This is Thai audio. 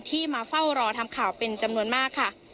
มาเฝ้ารอทำข่าวเป็นจำนวนมากค่ะ